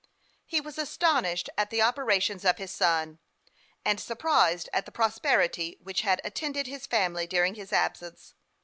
He was astonished at the operations of his son, and surprised at the prosperity which had attended his family during his absence.